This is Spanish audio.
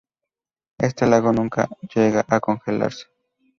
Este lago nunca llega a congelarse.